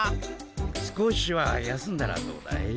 少しは休んだらどうだい？